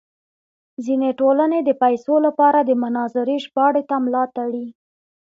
ځینې ټولنې د پیسو لپاره د مناظرې ژباړې ته ملا تړي.